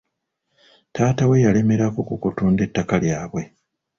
Taata we yalemerako ku kutunda ettaka lyabwe.